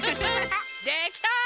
できた！